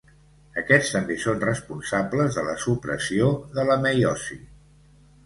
Aquests també són responsables de la supressió de la meiosi.